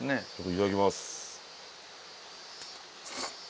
いただきます。